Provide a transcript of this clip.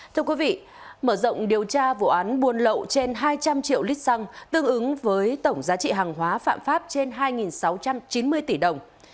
thưa quý vị mở rộng điều tra vụ án buôn lậu trên hai trăm linh triệu lít xăng tương ứng với tổng giá trị hàng hóa phạm pháp trên hai sáu trăm chín mươi tỷ đồng